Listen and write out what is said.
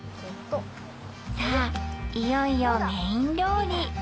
さあいよいよメイン料理。